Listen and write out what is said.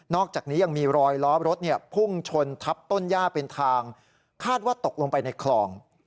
อกจากนี้ยังมีรอยล้อรถพุ่งชนทับต้นย่าเป็นทางคาดว่าตกลงไปในคลอง